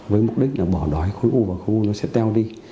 với mục đích là bỏ đói khối u và khối u nó sẽ teo đi